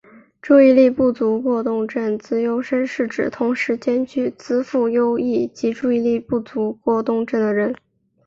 注意力不足过动症资优生是指同时兼具资赋优异及注意力不足过动症的人。